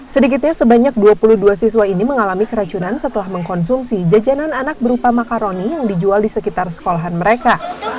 sedikitnya sebanyak dua puluh dua siswa ini mengalami keracunan setelah mengkonsumsi jajanan anak berupa makaroni yang dijual di sekitar sekolahan mereka